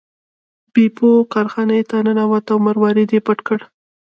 بیپو کارخانې ته ننوت او مروارید یې پټ کړ.